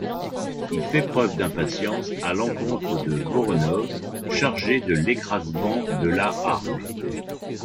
Il fait preuve d'impatience à l'encontre de Voronov chargé de l'écrasement de la armée.